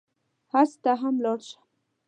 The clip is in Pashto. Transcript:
حج ته هم لاړ شه.